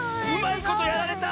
いことやられた！